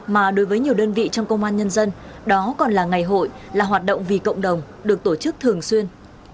mà đối với nhiều đơn vị trong công an nhân dân đó còn là ngày hội là hoạt động vì cộng đồng được tổ chức thường xuyên